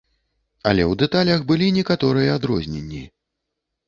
Але ў дэталях былі некаторыя адрозненні.